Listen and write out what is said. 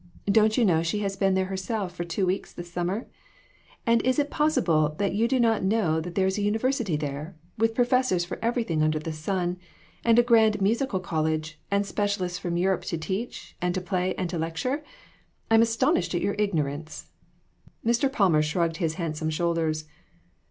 Don't you know she has been there herself for two weeks this summer ? And is it possible that you do not know that there is a university there, with professors for everything under the sun ; and a grand musical college, and specialists from Europe to teach, and to play, and to lecture? I'm astonished at your ignorance !" Mr. Palmer shrugged his handsome shoulders.